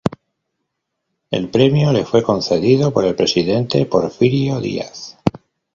El premio le fue concedido por el presidente Porfirio Díaz.